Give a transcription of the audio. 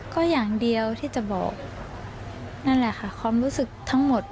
ก็อย่างเดียวที่จะบอกนั่นแหละค่ะความรู้สึกทั้งหมด